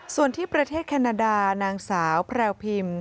ส่วนที่ประเทศแคนาดานางสาวแพรวพิม